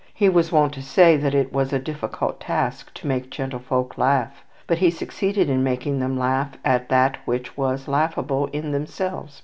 He was wont to say that it was a difficult task to make gentlefolk laugh; but he succeeded in making them laugh at that which was laughable in themselves.